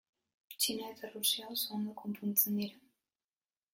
Txina eta Errusia oso ondo konpontzen dira.